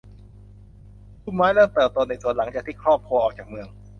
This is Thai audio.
พุ่มไม้เริ่มเติบโตในสวนหลังจากที่ครอบครัวออกจากเมือง